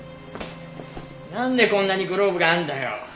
なんでこんなにグローブがあるんだよ。